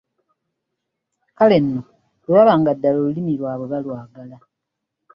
Kale nno bwe baba nga ddala olulimi lwabwe balwagala.